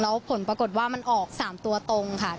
แล้วผลปรากฏว่ามันออก๓ตัวตรงค่ะ